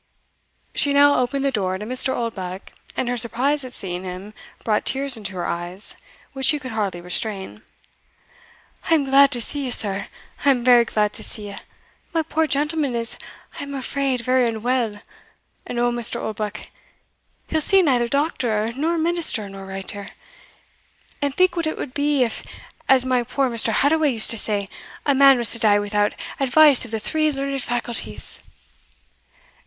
She now opened the door to Mr. Oldbuck, and her surprise at seeing him brought tears into her eyes, which she could hardly restrain. "I am glad to see you, sir I am very glad to see you. My poor gentleman is, I am afraid, very unwell; and oh, Mr. Oldbuck, he'll see neither doctor, nor minister, nor writer! And think what it would be, if, as my poor Mr. Hadoway used to say, a man was to die without advice of the three learned faculties!"